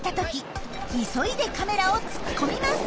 急いでカメラを突っ込みます！